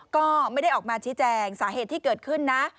ก็ไม่ได้ออกมาชี้แจงสาเหตุที่เกิดขึ้นนะ